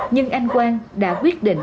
nhưng anh quang đã quyết định